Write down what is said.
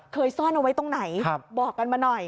ซ่อนเอาไว้ตรงไหนบอกกันมาหน่อย